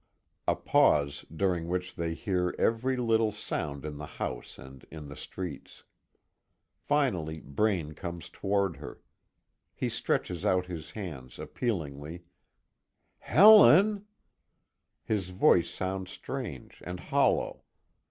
A pause, during which they hear every little sound in the house and in the streets. Finally, Braine comes toward her. He stretches out his hands appealingly: "Helen " His voice sounds strange and hollow.